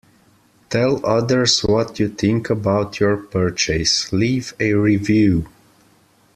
Tell others what you think about your purchase, leave a review.